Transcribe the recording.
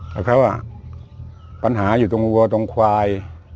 แล้วครั้งนี้อะปัญหาอยู่ตรงหัวตรงควาย